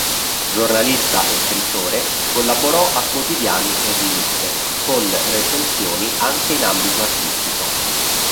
Giornalista e scrittore, collaborò a quotidiani e riviste con recensioni anche in ambito artistico.